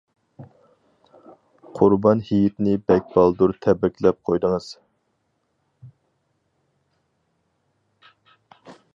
قۇربان ھېيتنى بەك بالدۇر تەبرىكلەپ قويدىڭىز.